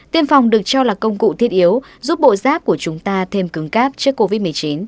tiêm phòng được cho là công cụ thiết yếu giúp bộ rác của chúng ta thêm cứng cáp trước covid một mươi chín